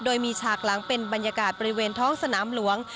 โดยมีฉากหลังเป็นบรรยากาศบริเวณท้องสนามหลวง